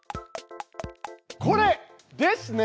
これですね！